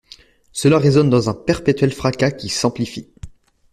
Cela résonne dans un perpétuel fracas qui s’amplifie.